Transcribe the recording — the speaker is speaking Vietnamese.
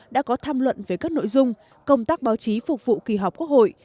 đã có tham luận về các nội dung công tác báo chí phục vụ kỳ họp quốc hội